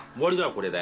これで。